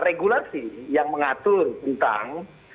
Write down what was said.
regulasi yang mengatur tentang